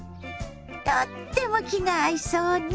とっても気が合いそうね！